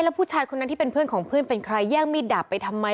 แล้วผู้ชายคนนั้นที่เป็นเพื่อนของเพื่อนเป็นใครแย่งมีดดาบไปทำไม